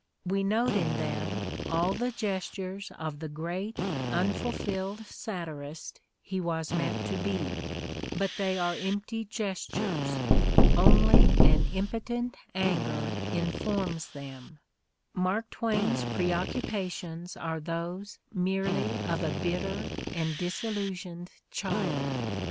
We note in them all the gestures of the great unfulfilled satirist he was meant to be; but they are empty gestures ; only an impotent anger informs them ; Mark Twain's preoccupations are those merely of a bitter and disillusioned child.